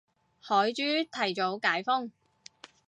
海珠提早解封